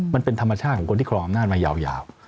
มันเป็นธรรมชาติของคนที่ครองอำนาจมายาว